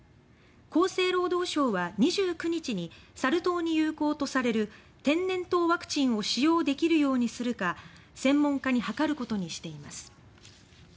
厚生労働省は２９日にサル痘に有効とされる天然痘ワクチンを使用できるようにするか専門家に諮ることにしています。